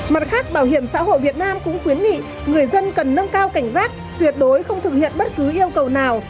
mặt khác bảo hiểm xã hội việt nam cũng khuyến nghị người dân cần nâng cao cảnh giác tuyệt đối không thực hiện bất cứ yêu cầu nào